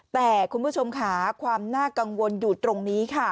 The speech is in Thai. แต่คุณผู้ชมค่ะความน่ากังวลอยู่ตรงนี้ค่ะ